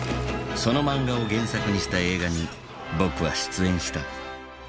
その漫画を原作にした映画に僕は出演した。